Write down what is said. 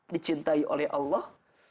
dicintai oleh allah